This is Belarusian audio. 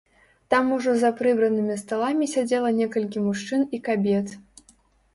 Там ужо за прыбранымі сталамі сядзела некалькі мужчын і кабет.